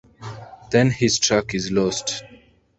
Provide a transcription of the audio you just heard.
Then his track is lost.